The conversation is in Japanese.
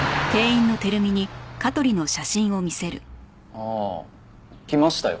ああ来ましたよ